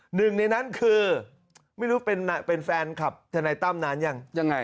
หนึ่งในนั้นคือไม่รู้เป็นแฟนคลับทนายตั้มนานยังยังไง